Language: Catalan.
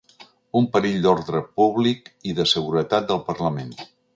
Un perill d’ordre públic i de seguretat del parlament.